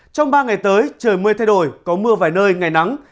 trong ba ngày tới trời mưa thay đổi có mưa vài nơi ngày nắng